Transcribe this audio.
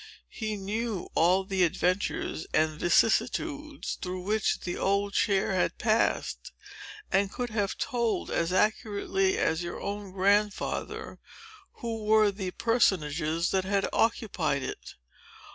He knew all the adventures and vicissitudes through which the old chair had passed, and could have told, as accurately as your own Grandfather, who were the personages that had occupied it.